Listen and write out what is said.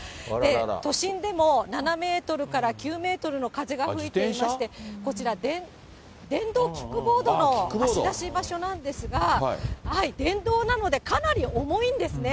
都心でも７メートルから９メートルの風が吹いていまして、こちら、電動キックボードの貸し出し場所なんですが、電動なので、かなり重いんですね。